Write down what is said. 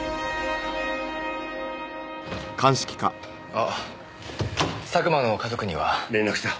あっ佐久間の家族には？連絡した。